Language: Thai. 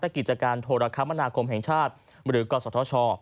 กิจการโทรคมนาคมแห่งชาติหรือกศธช